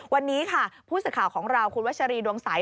วันนี้ค่ะผู้สื่อข่าวของเราคุณวัชรีดวงใส